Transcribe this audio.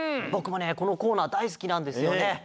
ぼくもねこのコーナーだいすきなんですよね。